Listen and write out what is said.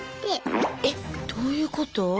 えっどういうこと？